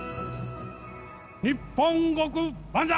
日本国万歳！